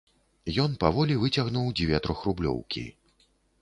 Ён паволі выцягнуў дзве трохрублёўкі.